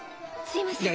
すいません。